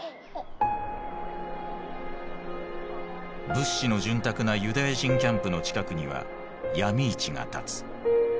物資の潤沢なユダヤ人キャンプの近くには闇市が立つ。